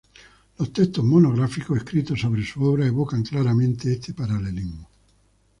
Los textos monográficos escritos sobre su obra evocan claramente este paralelismo.